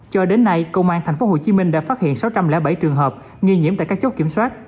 cho đến nay công an tp hcm đã phát hiện sáu trăm linh bảy trường hợp nghi nhiễm tại các chốt kiểm soát